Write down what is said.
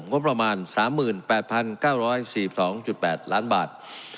งบประมาณ๓๘๙๔๒๘ล้านบาท